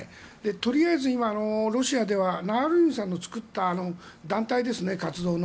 とりあえず今、ロシアではナワリヌイさんの作った団体活動の。